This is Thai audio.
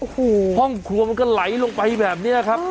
ห้องครัวมันก็ไหลลงไปแบบนี้นะครับ